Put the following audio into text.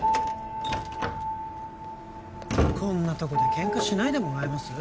こんなとこでケンカしないでもらえます？